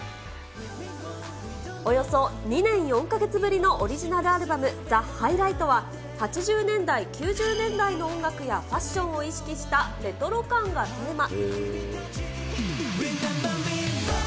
およそ２年４か月ぶりのオリジナルアルバム、ザ・ハイライトは、８０年代、９０年代の音楽やファッションを意識したレトロ感がテーマ。